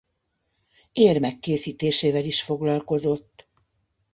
Érmek készítésével is foglalkozott.